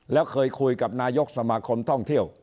แล้วเคยคุยกับนายกสมาคมท่องเที่ยว